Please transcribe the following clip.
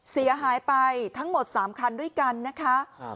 เสียหายไปทั้งหมด๓คันด้วยกันนะคะ